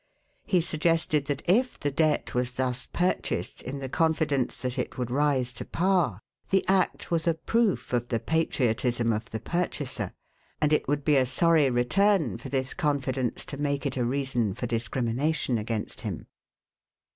He suggested that if the debt was thus purchased in the confidence that it would rise to par, the act was a proof of the patriotism of the purchaser, and it would be a sorry return for this confidence to make it a reason for discrimination against him.